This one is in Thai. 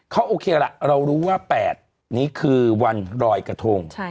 เขาโอเคละเรารู้ว่า๘นี้คือวันรอยกระทง